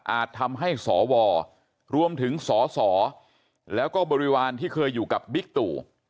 ทำให้สวรวมถึงสสแล้วก็บริวารที่เคยอยู่กับบิ๊กตู่